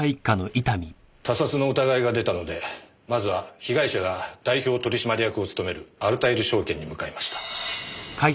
他殺の疑いが出たのでまずは被害者が代表取締役を務めるアルタイル証券に向かいました。